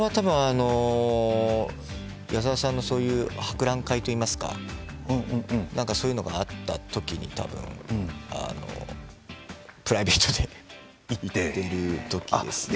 矢沢さんの博覧会といいますかそういうのがあったときにたぶんプライベートで行っているときですね。